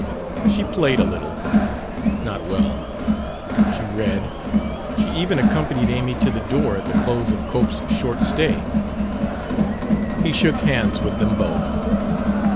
She played a little not well. She read. She even accompanied Amy to the door at the close of Cope's short stay. He shook hands with them both.